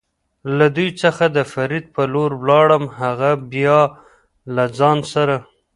له دوی څخه د فرید په لور ولاړم، هغه بیا له ځان سره.